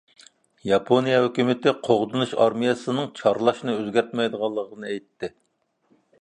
ياپونىيە ھۆكۈمىتى قوغدىنىش ئارمىيەسىنىڭ چارلاشنى ئۆزگەرتمەيدىغانلىقىنى ئېيتتى.